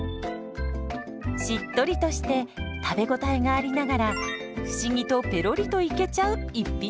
しっとりとして食べ応えがありながら不思議とペロリといけちゃう逸品です。